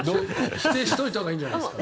否定しといたほうがいいんじゃない？